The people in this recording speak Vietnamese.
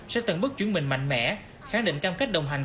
sẽ tận bức chuyển mình mạnh mẽ kháng định cam kết đồng hành